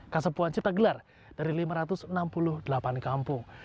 kasepuan cipta gelar dari lima ratus enam puluh delapan kampung